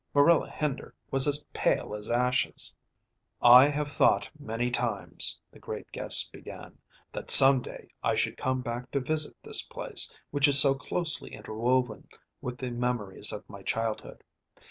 Marilla Hender was as pale as ashes. "I have thought many times," the great guest began, "that some day I should come back to visit this place, which is so closely interwoven with the memories of my childhood.